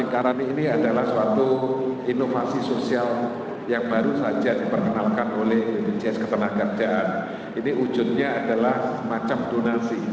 kami ingin mengerjakan